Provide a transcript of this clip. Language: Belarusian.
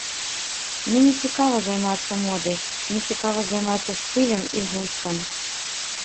Мне не цікава займацца модай, мне цікава займацца стылем і густам.